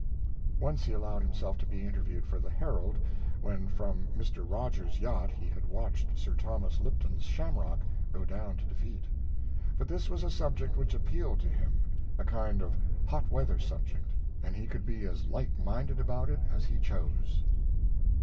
Once he allowed himself to be interviewed for the Herald, when from Mr. Rogers's yacht he had watched Sir Thomas Lipton's Shamrock go down to defeat; but this was a subject which appealed to him a kind of hotweather subject and he could be as light minded about it as he chose.